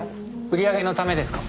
売り上げのためですか？